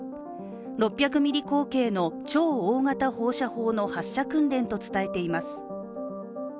６００ｍｍ口径の超大型放射砲の発射訓練と伝えています。